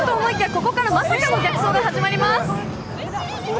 ここからまさかの逆走が始まります。